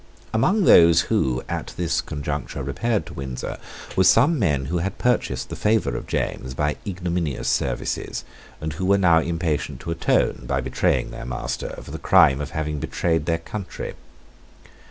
Among those who, at this conjuncture, repaired to Windsor were some men who had purchased the favour of James by ignominious services, and who were now impatient to atone, by betraying their master, for the crime of having betrayed their country.